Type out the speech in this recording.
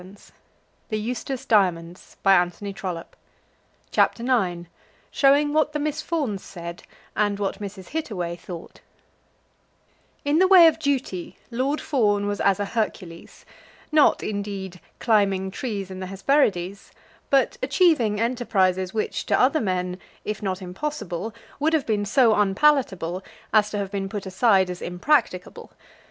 But it is much to be a wife; and more to be a peeress. CHAPTER IX Showing What the Miss Fawns Said, and What Mrs. Hittaway Thought In the way of duty Lord Fawn was a Hercules, not, indeed, "climbing trees in the Hesperides," but achieving enterprises which, to other men, if not impossible, would have been so unpalatable as to have been put aside as impracticable.